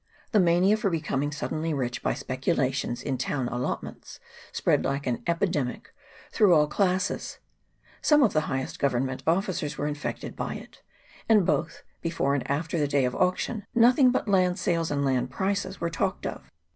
The mania for becoming suddenly rich by speculations in town allotments spread like an epidemic through all classes : some of the highest Government officers were infected by it ; and, both before and after the day of auction, nothing but land sales and land prices were talked of.